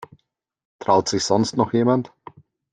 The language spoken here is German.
Traut sich sonst noch jemand?